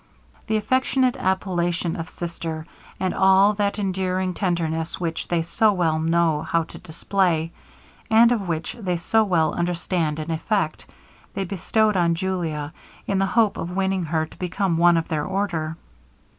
The affectionate appellation of sister, and all that endearing tenderness which they so well know how to display, and of which they so well understand the effect, they bestowed on Julia, in the hope of winning her to become one of their order.